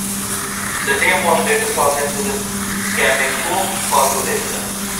The name was later shortened to "Cameco Corporation".